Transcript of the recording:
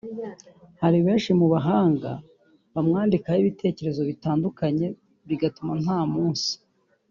Hari benshi mu bahanga bamwandikaho ibitekerezo bitandukanye bigatuma nta munsi